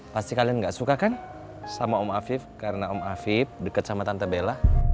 pasti kalian gak suka kan sama om afif karena om afif dekat sama tante bella